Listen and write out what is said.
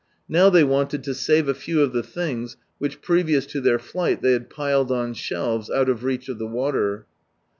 Now they wanted to save a few of the things which previous to their flight they had piled on shelves out of reach of the water.